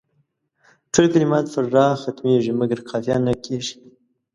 ټول کلمات پر راء ختمیږي مګر قافیه نه کیږي.